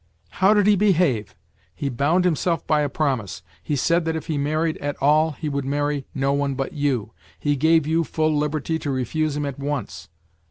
" How did he behave ? He bound himself by a promise : he said that if he married at all he would marry no one but you; he gave you full liberty to refuse him at once.